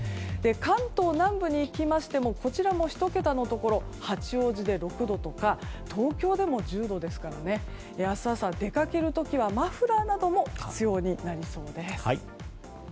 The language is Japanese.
関東南部に行きましても１桁のところ八王子で６度とか東京でも１０度ですから明日朝は出かける時はマフラーなども必要になりそうです。